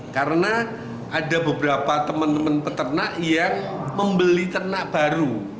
karena ada beberapa teman teman peternak yang membeli ternak baru